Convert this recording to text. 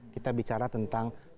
kita bicara tentang